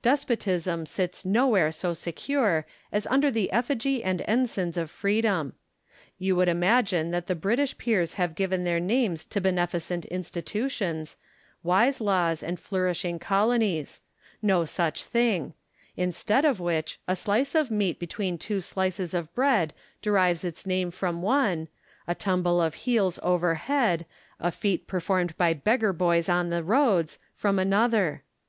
Despotism sits nowhere so secure as under the effigy and ensigns of Preedom. You would imagine that the British peers have given their names to beneficent institutions, wise laws, and flourishing colonies : no such thing ; instead of which, a slice of meat between two slices of bread derives its name from one ; a tumble of heels over head, a feat performed by beggar boys on the roads, from another.